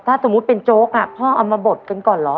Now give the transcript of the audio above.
ถ้าสมมุติเป็นโจ๊กพ่อเอามาบดกันก่อนเหรอ